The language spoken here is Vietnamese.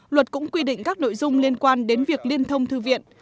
luật cũng quy định các nội dung liên quan đến việc liên thông thư viện